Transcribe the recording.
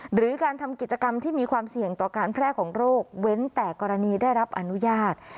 หรือการทำกิจกรรมที่มีความเสี่ยงต่อการแพร่ของโรคเว้นแต่กรณีได้รับอนุญาต